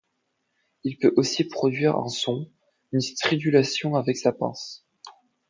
Il peut aussi produire un son, une stridulation avec sa pince.